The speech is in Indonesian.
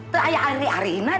saya tahu arina